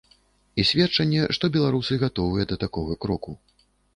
І сведчанне, што беларусы гатовыя да такога кроку.